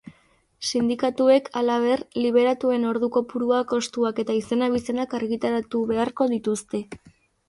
Sindikatuek, halaber, liberatuen ordu-kopurua, kostuak eta izen-abizenak argitaratu beharko dituzte.